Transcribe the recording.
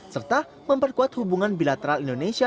serta memperkuat hubungan bilateral indonesia